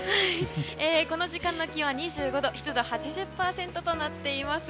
この時間の気温は２５度湿度８０％となっています。